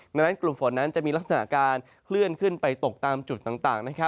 ดังนั้นกลุ่มฝนนั้นจะมีลักษณะการเคลื่อนขึ้นไปตกตามจุดต่าง